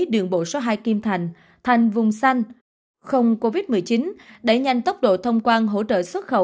đường bộ số hai kim thành thành vùng xanh không covid một mươi chín đẩy nhanh tốc độ thông quan hỗ trợ xuất khẩu